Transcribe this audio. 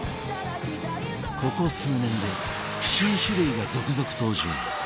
ここ数年で新種類が続々登場！